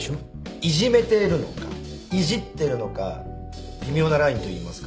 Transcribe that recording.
いじめてるのかイジってるのか微妙なラインといいますか。